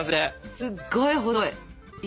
すっごい細い！